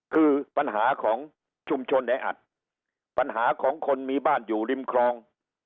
คือปัญหาของชุมชนแออัดปัญหาของคนมีบ้านอยู่ริมคลอง